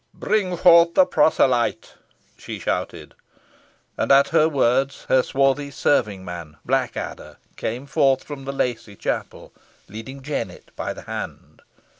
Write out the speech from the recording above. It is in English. "Bring forth the proselyte!" she shouted. And at the words, her swarthy serving man, Blackadder, came forth from the Lacy chapel, leading Jennet by the hand.